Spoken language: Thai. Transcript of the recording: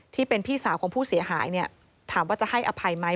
ที่เป็นพี่สาวของผู้เสียหายเนี่ยถามว่าจะให้อภัยไหม